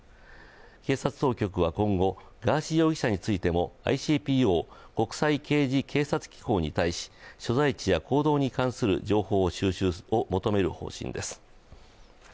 警察当局は今後、ガーシー容疑者についてもＩＣＰＯ＝国際刑事警察機構に対し、所在地や行動に関する情報の収集を求める方針です。